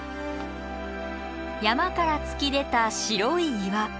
山から突き出た白い岩。